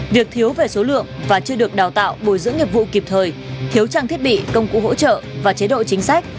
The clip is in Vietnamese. việc thiếu về số lượng và chưa được đào tạo bồi dưỡng nghiệp vụ kịp thời thiếu trang thiết bị công cụ hỗ trợ và chế độ chính sách